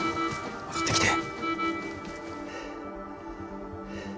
戻ってきて。